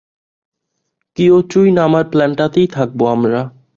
কিয়োটোয় নামার প্ল্যানটাতেই থাকবো আমরা।